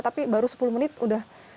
tapi baru sepuluh menit udah